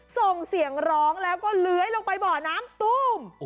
ส่งเสียงร้องแล้วก็เลื้อยลงไปบ่อน้ำตู้ม